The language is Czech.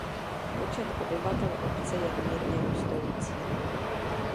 Počet obyvatel obce je mírně rostoucí.